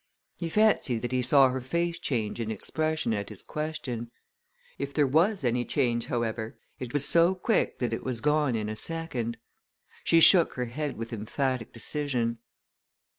He fancied that he saw her face change in expression at his question; if there was any change, however, it was so quick that it was gone in a second. She shook her head with emphatic decision.